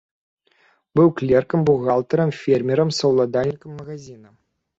Быў клеркам, бухгалтарам, фермерам, саўладальнікам магазіна.